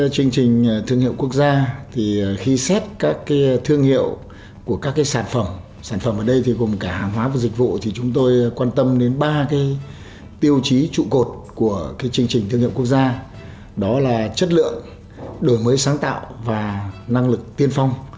chương trình thương hiệu quốc gia khi xét các thương hiệu của các sản phẩm sản phẩm ở đây gồm cả hàng hóa và dịch vụ thì chúng tôi quan tâm đến ba tiêu chí trụ cột của chương trình thương hiệu quốc gia đó là chất lượng đổi mới sáng tạo và năng lực tiên phong